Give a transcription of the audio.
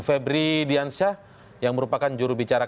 febri diansyah yang merupakan juru bicara kpk